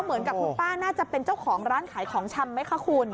เหมือนกับคุณป้าน่าจะเป็นเจ้าของร้านขายของชำไหมคะคุณ